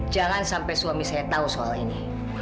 jangan sampai suami saya tahu soal ini